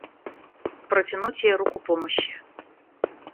Протянуть ей руку помощи.